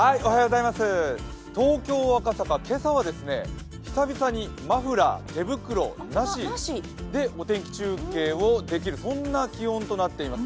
東京・赤坂、今朝は久々にマフラー、手袋なしでお天気中継をできるそんな気温となっています。